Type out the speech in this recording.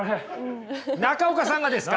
中岡さんがですか？